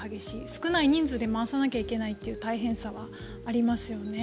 少ない人数で回さなきゃいけないという大変さはありますよね。